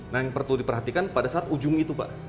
nah yang perlu diperhatikan pada saat ujung itu pak